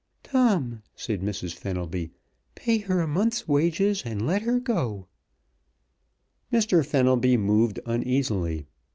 "Tom," said Mrs. Fenelby, "pay her a month's wages and let her go!" Mr. Fenelby moved uneasily.